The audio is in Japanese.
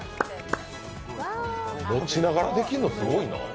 持ちながらできるのすごいな。